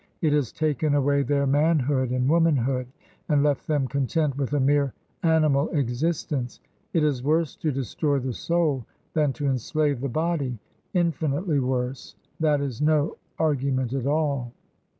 It has taken away their manhood and womanhood, and left them content with a mere animal existence. It is worse to destroy the soul than to enslave the body, — in finitely worse ! That is no argument at all